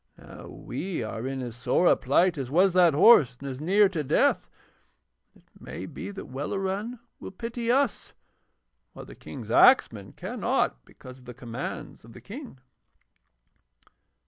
Now we are in as sore a plight as was that horse, and as near to death; it may be that Welleran will pity us, while the King's axeman cannot because of the commands of the King.'